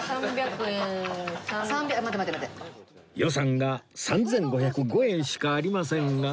予算が３５０５円しかありませんが